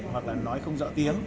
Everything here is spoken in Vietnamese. hoặc là nói không rõ tiếng